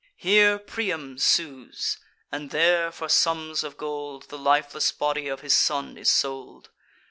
Here Priam sues; and there, for sums of gold, The lifeless body of his son is sold.